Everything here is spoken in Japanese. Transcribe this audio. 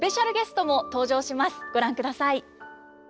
ご覧ください。